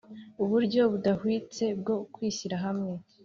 uburyo budahwitse bwo kwishyira hamwe.